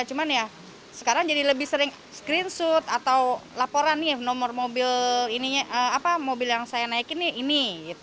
cuma ya sekarang jadi lebih sering screenshot atau laporan ya nomor mobil ini mobil yang saya naikin ini